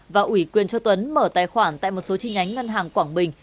và ủy quyền cho tuấn mở tài khoản tại một số chi nhánh ngân hàng quảng bình